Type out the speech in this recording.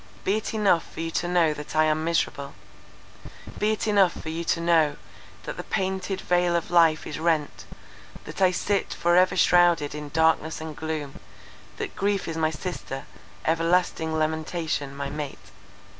Be it enough for you to know that I am miserable—be it enough for you to know, that the painted veil of life is rent, that I sit for ever shrouded in darkness and gloom, that grief is my sister, everlasting lamentation my mate!"